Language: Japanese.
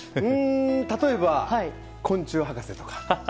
例えば昆虫博士とか。